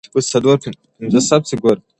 اجمل خټک د روسي مارکسیزم خوا نیولې وه.